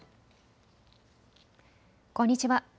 こんにちは。